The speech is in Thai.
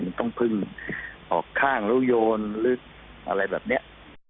มันต้องพึ่งออกข้างแล้วโยนหรืออะไรแบบนี้